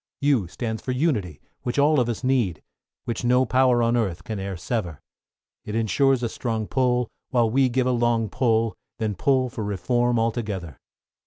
=U= stands for Unity, which all of us need, Which no power on earth can e'er sever; It ensures a strong pull, while we give a long pull, Then pull for Reform altogether.